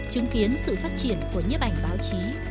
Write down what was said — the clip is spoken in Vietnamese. chứng kiến sự phát triển của nhiếp ảnh báo chí